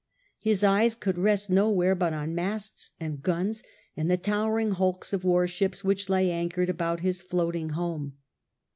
His eyes could rest nowhere but on masts, and guns, and the towering hulks of the warships which lay anchored about his floating home.